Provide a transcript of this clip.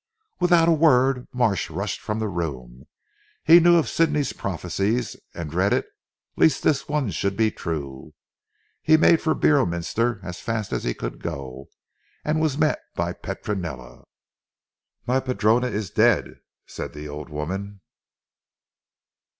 Without a word Marsh rushed from the room. He knew of Sidney's prophecies, and dreaded lest this one should be true. He made for Beorminster as fast as he could go, and was met by Petronella. "My padrona is dead!" said the old woman.